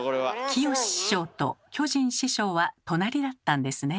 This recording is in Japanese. きよし師匠と巨人師匠は隣だったんですね。